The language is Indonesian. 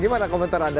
gimana komentarnya anda